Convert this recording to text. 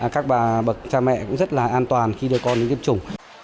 các bà bậc cha mẹ cũng rất là an toàn khi đưa con đến tiêm chủng